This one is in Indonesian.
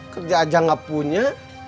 kerja aja gak punya